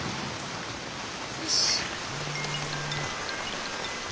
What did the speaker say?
よし。